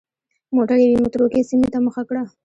موټر یوې متروکې سیمې ته مخه کړه.